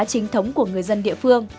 trình thống của người dân địa phương